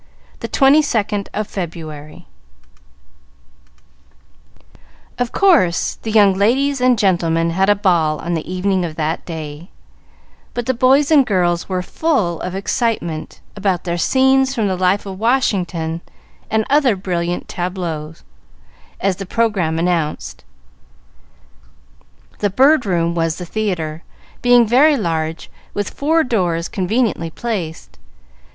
The Twenty Second of February Of course, the young ladies and gentlemen had a ball on the evening of that day, but the boys and girls were full of excitement about their "Scenes from the Life of Washington and other brilliant tableaux," as the programme announced. The Bird Room was the theatre, being very large, with four doors conveniently placed.